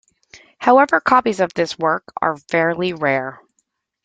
However copies of this work are fairly rare.